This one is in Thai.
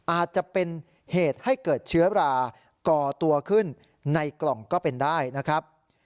อาจจะเป็นเหตุให้เกิดเชื้อราก่อตัวขึ้นในกล่องก็เป็นได้นะครับ